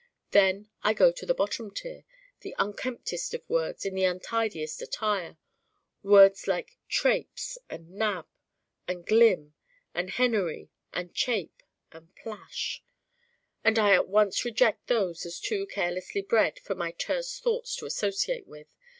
Then I go to the bottom tier, the unkemptest of words in the untidiest attire: words like Traipse and Nab and Glim and Hennery and Chape and Plash. And I at once reject those as too carelessly bred for my terse thoughts to associate with.